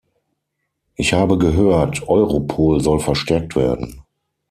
Ich habe gehört, Europol soll verstärkt werden.